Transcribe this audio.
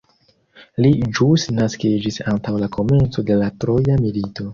Li ĵus naskiĝis antaŭ la komenco de la troja milito.